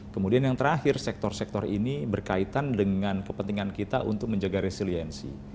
kemudian yang terakhir sektor sektor ini berkaitan dengan kepentingan kita untuk menjaga resiliensi